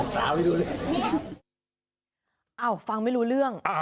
สวัสดีครับ